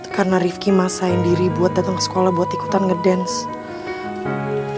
karena rifki masain diri buat dateng ke sekolah buat ikutan ngedance